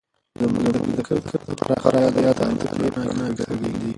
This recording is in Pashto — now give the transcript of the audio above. زموږ د فکر پراختیا د مطالعې په رڼا کې څرګندېږي.